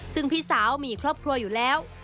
ซึ่งพี่สาวมีครอบครัวอยู่แล้ว